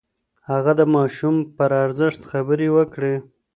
هغه د ماشوم پر ارزښت خبرې وکړې.